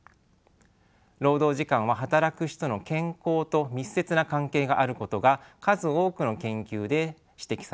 労働時間は働く人の健康と密接な関係があることが数多くの研究で指摘されています。